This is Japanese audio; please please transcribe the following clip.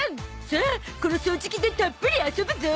さあこの掃除機でたっぷり遊ぶゾ